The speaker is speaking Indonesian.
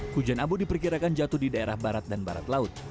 hujan abu diperkirakan jatuh di daerah barat dan barat laut